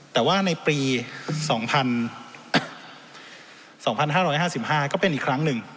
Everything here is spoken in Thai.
แต่ว่าในปี๒๕๕๕ก็เป็นอีกครั้งหนึ่ง